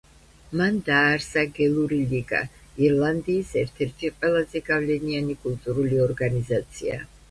მან დააარსა გელური ლიგა, ირლანდიის ერთ-ერთი ყველაზე გავლენიანი კულტურული ორგანიზაცია.